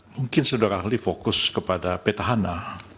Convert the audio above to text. mungkin sudah rahli fokus kepada petahana